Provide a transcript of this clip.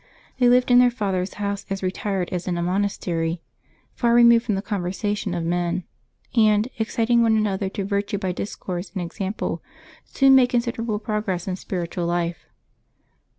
They lived in their father's house as retired as in a monastery, far removed from the conversation of men; and, exciting one another to virtue by discourse and example, soon made considerable progress in spiritual life.